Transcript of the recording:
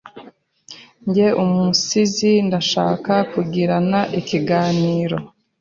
Njye umusizi ndashaka kugirana ikiganiro